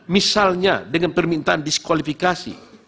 misalnya dengan permintaan diskualifikasi